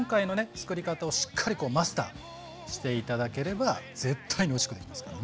つくり方をしっかりマスターして頂ければ絶対においしくできますから。